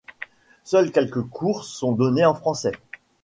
Seuls quelques cours sont donnés en français.